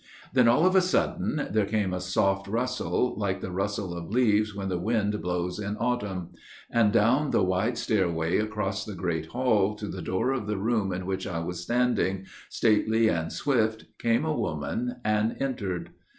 Then, all of a sudden, there came a soft rustle, Like the rustle of leaves when the wind blows in autumn. And down the wide stairway across the great hall, To the door of the room in which I was standing, Stately and swift, came a woman and entered.